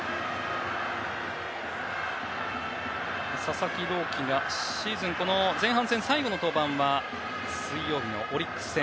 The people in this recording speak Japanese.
佐々木朗希がシーズン前半戦最後の登板は水曜日のオリックス戦。